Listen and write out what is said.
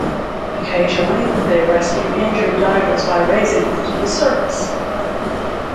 Occasionally, they rescue injured divers by raising them to the surface.